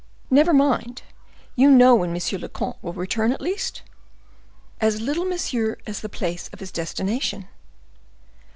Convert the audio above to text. Never mind; you know when monsieur le comte will return, at least?" "As little, monsieur, as the place of his destination."